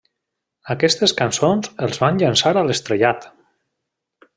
Aquestes cançons els van llançar a l'estrellat.